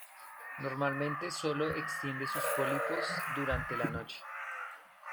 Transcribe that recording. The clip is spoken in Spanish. Normalmente sólo extiende sus pólipos durante la noche.